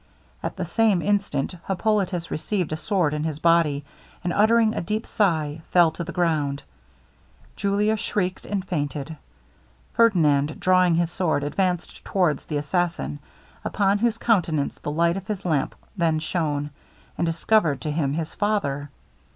At the same instant Hippolitus received a sword in his body, and uttering a deep sigh, fell to the ground. Julia shrieked and fainted; Ferdinand drawing his sword, advanced towards the assassin, upon whose countenance the light of his lamp then shone, and discovered to him his father!